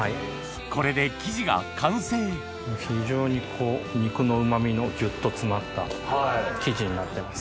これで生地が完成非常にこう肉のうま味のぎゅっと詰まった生地になってます。